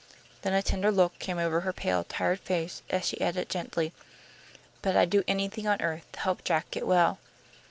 Then a tender look came over her pale, tired face, as she added, gently, "But I'd do anything on earth to help Jack get well."